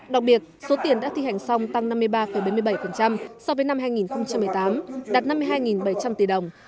đặc biệt số tiền đã thi hành xong tăng năm mươi ba bảy mươi bảy so với năm hai nghìn một mươi tám đạt năm mươi hai bảy trăm linh tỷ đồng